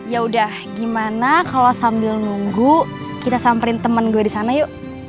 yaudah gimana kalo sambil nunggu kita samperin temen gue disana yuk